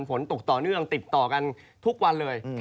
ฝนตกต่อเนื่องติดต่อกันทุกวันเลย